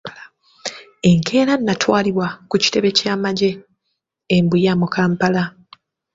Enkeera naatwalibwa ku kitebe ky'amagye e Mbuya mu Kampala.